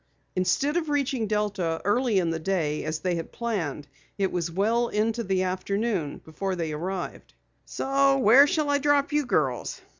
Instead of reaching Delta early in the day as they had planned, it was well into the afternoon before they arrived. "Where shall I drop you girls?"